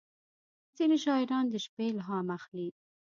• ځینې شاعران د شپې الهام اخلي.